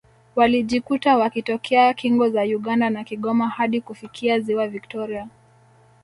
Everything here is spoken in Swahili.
Walijikuta wakitokea kingo za Uganda na Kigoma hadi kufikia Ziwa Viktoria